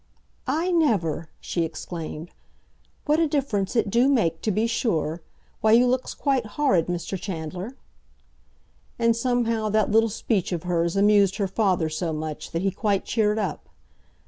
"I never!" she exclaimed. "What a difference it do make, to be sure! Why, you looks quite horrid, Mr. Chandler." And, somehow, that little speech of hers amused her father so much that he quite cheered up.